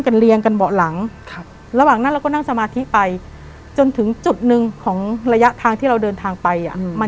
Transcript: ก็ยังอยู่ได้เนาะ